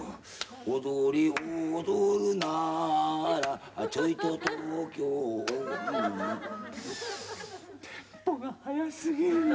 「踊り踊るならチョイト東京音」テンポが速過ぎるよ。